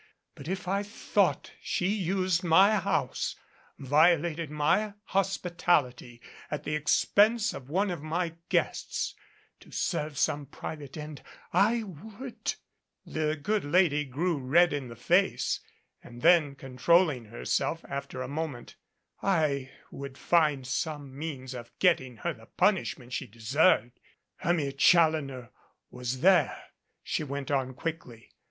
But if I thought she used my house, violated my hospitality at the expense of one of my guests, to serve some private end, I would " The good lady grew red in the face, and then, con trolling herself after a moment, "I would find some means 310 THE SEATS OF THE MIGHTY i of getting her the punishment she deserved. Hermia Challoner was there," she went on quickly.